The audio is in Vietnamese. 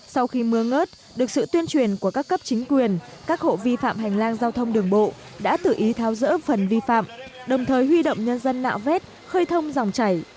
sau khi mưa ngớt được sự tuyên truyền của các cấp chính quyền các hộ vi phạm hành lang giao thông đường bộ đã tự ý tháo rỡ phần vi phạm đồng thời huy động nhân dân nạo vét khơi thông dòng chảy